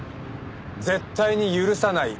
「絶対に許さない」